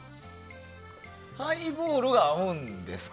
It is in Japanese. ハイボールが合うんですか？